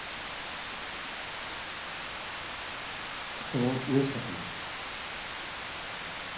とってもうれしかったんです。